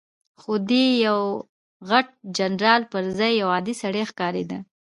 خو دی د یوه غټ جنرال پر ځای یو عادي سړی ښکارېده.